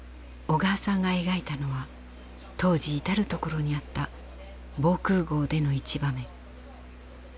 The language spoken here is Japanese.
小川さんが描いたのは当時至る所にあった防空壕での一場面。